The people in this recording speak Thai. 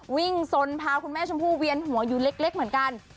สนพาคุณแม่ชมพู่เวียนหัวอยู่เล็กเหมือนกัน